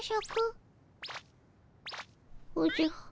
おじゃ。